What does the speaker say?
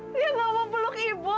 dia ngomong peluk ibu